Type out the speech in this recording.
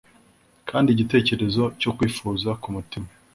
kandi igitekerezo cyo kwifuza k'umutima